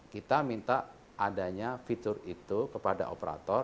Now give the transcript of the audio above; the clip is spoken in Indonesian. kita minta adanya fitur itu kepada operator